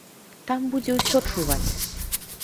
Там будзе ўсё чуваць!